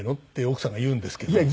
って奥さんが言うんですけど。